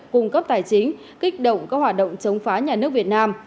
cung cấp tài chính kích động các hoạt động chống phá nhà nước việt nam